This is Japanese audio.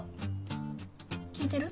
聞いてる？